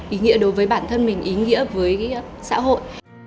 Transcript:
ý nghĩa đối với bản thân mình ý nghĩa với xã hội